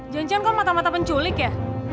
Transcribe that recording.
janjian kok mata mata penculik ya